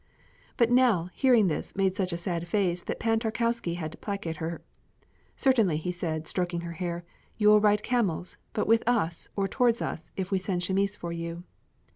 But Nell, hearing this, made such a sad face that Pan Tarkowski had to placate her. "Certainly," he said, stroking her hair, "you will ride camels, but with us or towards us, if we send Chamis for you."